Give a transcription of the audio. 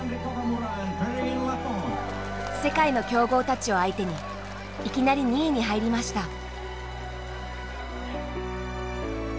世界の強豪たちを相手にいきなり２位に入りました。